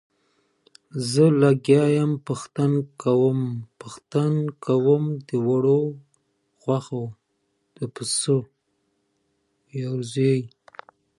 د کار پر وخت فکر باید یواځې د کار لپاره وي.